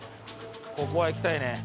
ここは行きたいね。